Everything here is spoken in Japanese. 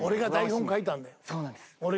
そうなんです。